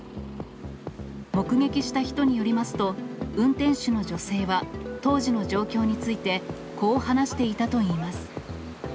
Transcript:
目撃した人によりますと、運転手の女性は、当時の状況について、こう話していたといいます。